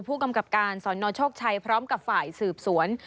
ผู้กำกับการสนโชคชัยพร้อมกับฝ่ายสืบสวน